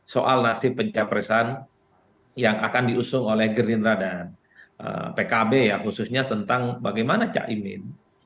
soal nasib pencapresan yang akan diusung oleh gerindra dan pkb ya khususnya tentang bagaimana cak imin